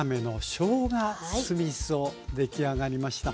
出来上がりました。